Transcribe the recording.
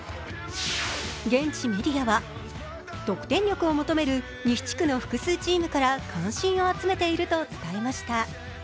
現地メディアは、得点力を求める西地区の複数チームから関心を集めていると伝えました。